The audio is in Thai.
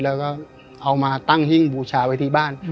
แล้วก็เอามาตั้งหิ้งบูชาไว้ที่บ้าน